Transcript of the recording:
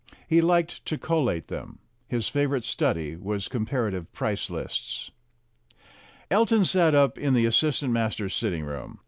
He liked to collate them ; his favorite study was comparative price lists. Elton sat up in the assistant masters' sitting room.